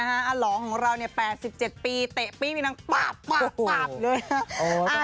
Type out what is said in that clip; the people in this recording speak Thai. อารองค์ของเรา๘๗ปีเตะปิ๊บมีนางปั๊บเลยนะ